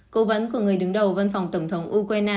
cố vấn của người đứng đầu văn phòng tổng thống ukraine